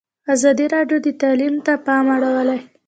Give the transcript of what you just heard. ازادي راډیو د تعلیم ته پام اړولی.